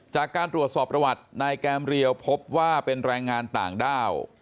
จากการตรวจสอบประวัตินายแกมเรียวพบว่าเป็นแรงงานต่างด้าว